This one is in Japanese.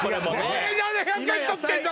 これ７００円取ってんぞ